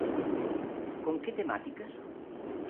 ¿Con que temáticas?